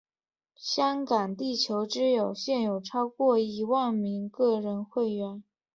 香港地球之友现有超过一万名个人会员。